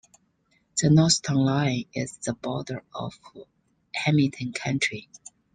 The north town line is the border of Hamilton County.